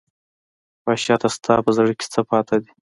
وحشته ستا په زړه کې څـه پاتې دي